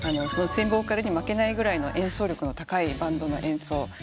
ツインボーカルに負けないぐらいの演奏力の高いバンドの演奏。